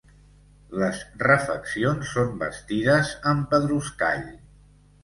Les refeccions són bastides amb pedruscall.